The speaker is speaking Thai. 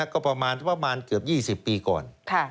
ก็ประมาณเกือบ๒๐ปีก่อน